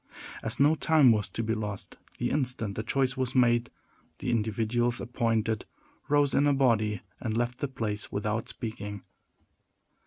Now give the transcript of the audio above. As no time was to be lost, the instant the choice was made the individuals appointed rose in a body and left the place without speaking.